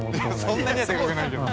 ◆そんなにはでかくないけど。